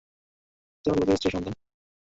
হাসপাতালে মারা যাওয়া লোকের স্ত্রী-সন্তান।